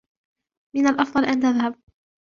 من الأفضل أن تذهب.